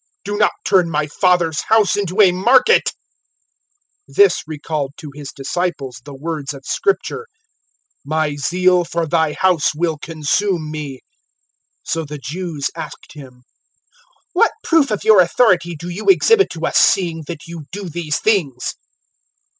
Do not turn my Father's house into a market." 002:017 This recalled to His disciples the words of Scripture, "My zeal for Thy House will consume me." 002:018 So the Jews asked Him, "What proof of your authority do you exhibit to us, seeing that you do these things?"